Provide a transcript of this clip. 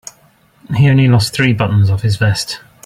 He only lost three buttons off his vest.